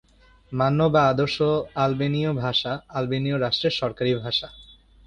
মান্য বা আদর্শ আলবেনীয় ভাষা আলবেনিয়া রাষ্ট্রের সরকারি ভাষা।